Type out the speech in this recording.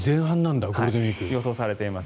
予想されています。